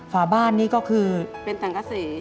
ฝาบ้านนี่ก็คือเป็นสังกษี